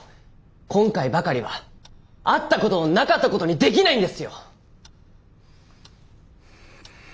今回ばかりはあった事をなかった事にできないんですよ！